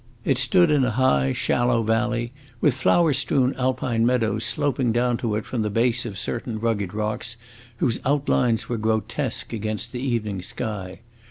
It stood in a high, shallow valley, with flower strewn Alpine meadows sloping down to it from the base of certain rugged rocks whose outlines were grotesque against the evening sky.